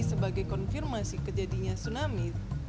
sebagai konfirmasi kejadian tsunami